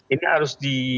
ini harus di